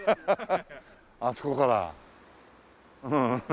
あそこから。